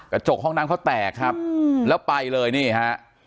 กระจกห้องน้ำเขาแตกครับแล้วไปเลยนี่ฮะ